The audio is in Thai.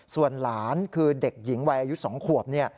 ส่วนหลานคือเด็กหญิงวัยอายุ๒ขวบ